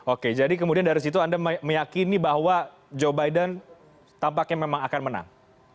oke jadi kemudian dari situ anda meyakini bahwa joe biden tampaknya memang akan menang